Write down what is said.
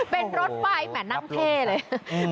เป็นรถไฟแหม่นั่งเท่เลย